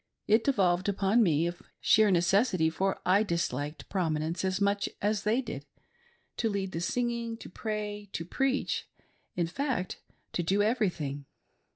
It devolved upon me — of sheer necessity, for I disliked prominence as much as they did — to lead the singing, to pray, to preach, in fact, to do everything.